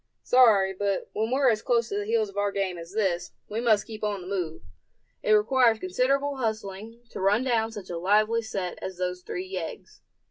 "Sorry, but when we're as close to the heels of our game as this, we must keep on the move. It requires considerable hustling to run down such a lively set as those three yeggs.